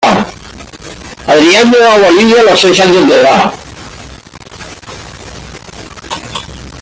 Adrián llegó a Bolivia a los seis años de edad.